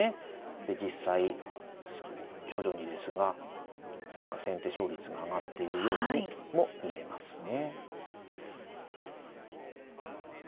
で実際徐々にですが何か先手勝率が上がっているようにも見えますね。